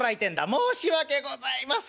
「申し訳ございません。